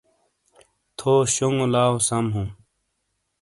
تھو شونگو لاؤسم ہوں ۔